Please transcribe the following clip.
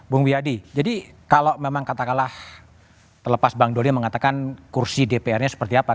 bung wiyadi jadi kalau memang katakanlah terlepas bang doli mengatakan kursi dpr nya seperti apa